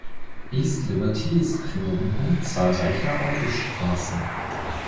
East Liberty ist Knotenpunkt zahlreicher Autostraßen.